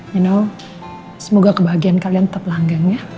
you know semoga kebahagiaan kalian tetap langgang ya